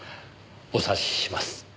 お察しします。